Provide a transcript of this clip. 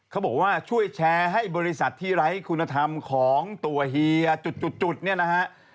เขาบอกว่าช่วยแชร์ให้บริษัทที่ไร้คุณธรรมของตัวเฮียจุดเนี่ยนะฮะ